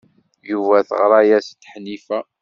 Yuba teɣra-as-d Ḥnifa.